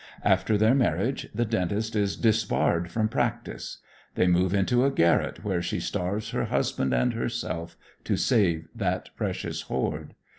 After their marriage the dentist is disbarred from practice. They move into a garret where she starves her husband and herself to save that precious hoard.